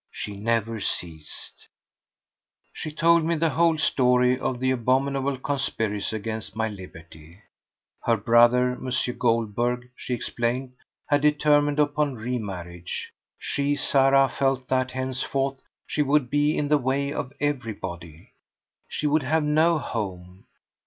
She never ceased! She told me the whole story of the abominable conspiracy against my liberty. Her brother, M. Goldberg, she explained, had determined upon remarriage. She, Sarah, felt that henceforth she would be in the way of everybody; she would have no home.